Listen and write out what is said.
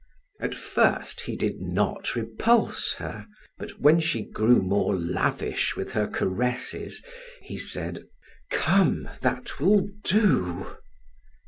At first he did not repulse her, but when she grew more lavish with her caresses, he said: "Come, that will do."